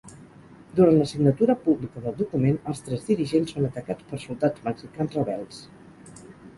Durant la signatura pública del document, els tres dirigents són atacats per soldats mexicans rebels.